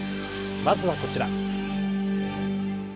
まずはこちら。